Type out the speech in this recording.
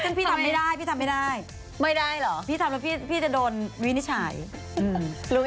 ซึ่งพี่ทำไม่ได้พี่ทำไม่ได้ไม่ได้เหรอพี่ทำแล้วพี่จะโดนวินิจฉัย